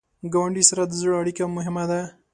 ګاونډي سره د زړه اړیکه مهمه ده